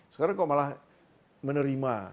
sekarang kamu malah menerima